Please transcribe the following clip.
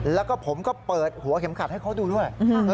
แล้วก็ผมก็เปิดหัวเข็มขัดให้เขาดูด้วย